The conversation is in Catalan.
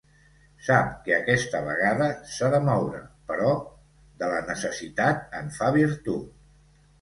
Sap que aquesta vegada s'ha de moure, però de la necessitat en fa virtut.